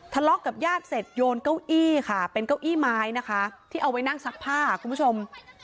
ทะเลาะกับญาติเสร็จโยนเก้าอี้ค่ะเป็นเก้าอี้ไม้นะคะที่เอาไว้นั่งซักผ้าคุณผู้ชม